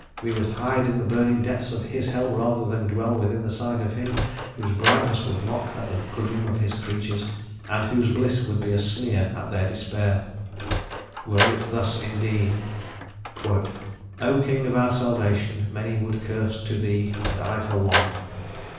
we would hide in the burning depths of His hell rather than dwell within sight of Him whose brightness would mock at the gloom of His creatures, and whose bliss would be a sneer at their despair. Were it thus indeed "O King of our salvation, Many would curse to thee, and I for one!